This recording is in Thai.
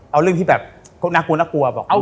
เอาเรื่องที่แบบน่ากลัวบอกว่า